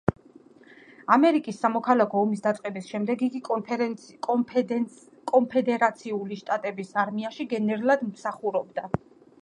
ამერიკის სამოქალაქო ომის დაწყების შემდეგ იგი კონფედერაციული შტატების არმიაში გენერლად მსახურობდა.